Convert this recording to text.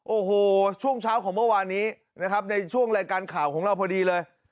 โอ้โหช่วงเช้าของเมื่อวานนี้นะครับในช่วงรายการข่าวของเราพอดีเลย